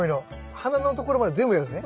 花のところまで全部やるんですね。